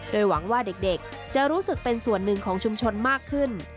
โดยหวังว่าเด็กจะรู้สึกเป็นส่วนหนึ่งของชุมชนมากขึ้น